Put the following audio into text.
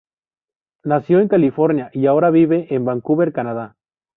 Nació en California y ahora vive en Vancouver, Canadá.